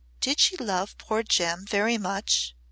"Did she love poor Jem very much?"